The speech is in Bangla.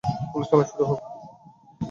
আলোচনা শুরু হোক।